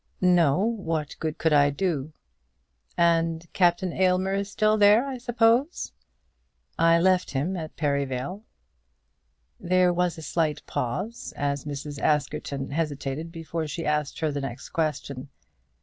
"No; what good could I do?" "And Captain Aylmer is still there, I suppose?" "I left him at Perivale." There was a slight pause, as Mrs. Askerton hesitated before she asked her next question.